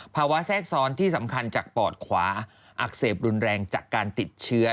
แทรกซ้อนที่สำคัญจากปอดขวาอักเสบรุนแรงจากการติดเชื้อ